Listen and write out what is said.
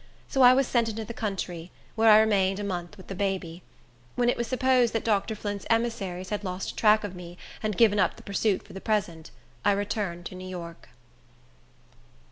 So I was sent into the country, where I remained a month with the baby. When it was supposed that Dr. Flint's emissaries had lost track of me, and given up the pursuit for the present, I returned to New York.